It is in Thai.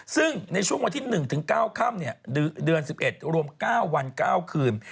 ซึ่งในช่วงวันที่๑ถึง๙ค่ำเดือน๑๑รวม๙วัน๙คืน